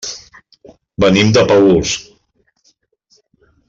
Venim de Paüls.